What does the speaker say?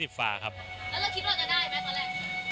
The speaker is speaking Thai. แล้วเราคิดว่าจะได้ไหมตอนแรก